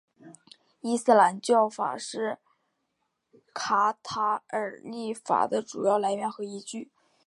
伊斯兰教法是卡塔尔立法的主要来源和依据。